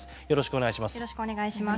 よろしくお願いします。